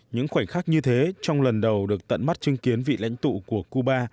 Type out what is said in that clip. những khoảnh khắc như thế trong lần đầu được tận mắt chứng kiến vị lãnh tụ của cuba